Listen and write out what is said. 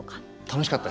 楽しかった？